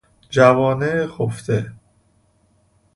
جوانه خفته